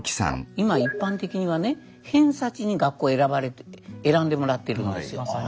今一般的にはね偏差値に学校を選んでもらってるんですよ。